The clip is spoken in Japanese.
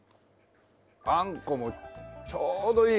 あんこもちょうどいい感じで。